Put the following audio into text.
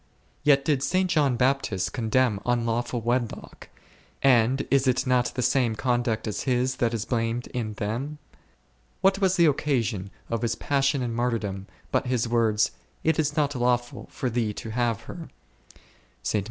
Yet did St. John Bap tist condemn unlawful wedlock ; and is it not the same conduct as his, that is blamed in them ? What was the occasion of his passion and martyrdom but his words, It is not lawful for thee to have her h